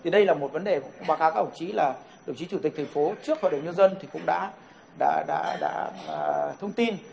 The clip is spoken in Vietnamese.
đây là một vấn đề báo cáo các ông chí là đồng chí chủ tịch thành phố trước hội đồng nhân dân cũng đã thông tin